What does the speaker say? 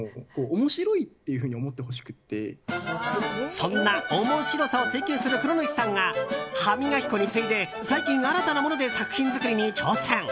そんな面白さを追求する黒主さんが歯磨き粉に次いで最近新たなもので作品作りに挑戦。